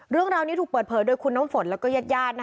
เรื่องราวนี้ถูกเปิดเผยโดยคุณน้ำฝนแล้วก็ญาติญาติ